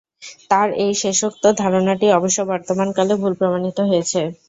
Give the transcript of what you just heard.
তার এই শেষোক্ত ধারণাটি অবশ্য বর্তমানকালে ভুল প্রমাণিত হয়েছে।